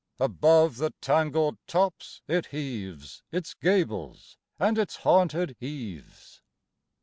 Above the tangled tops it heaves Its gables and its haunted eaves.